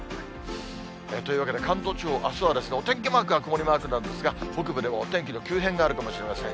というわけで、関東地方あすはお天気マークは曇りマークなんですが、北部でもお天気の急変があるかもしれません。